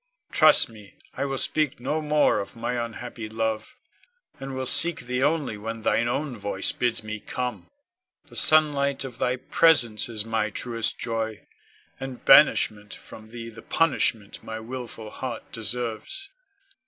Trust me, I will speak no more of my unhappy love, and will seek thee only when thine own voice bids me come. The sunlight of thy presence is my truest joy, and banishment from thee the punishment my wilful heart deserves.